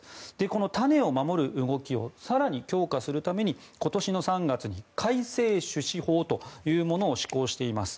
この種を守る動きを更に強化するために今年の３月に改正種子法というものを施行しています。